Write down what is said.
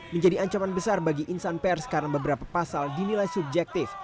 menjadi ancaman besar bagi insan pers karena beberapa pasal dinilai subjektif